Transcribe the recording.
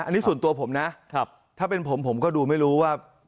อันนี้ส่วนตัวผมนะถ้าเป็นผมผมก็ดูไม่รู้ว่า